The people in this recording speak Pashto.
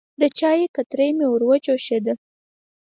د چای کتری مې وروه جوشېده.